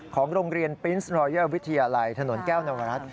ของโรงเรียนปรินส์รอเยอร์วิทยาลัยถนนแก้วนวรัฐ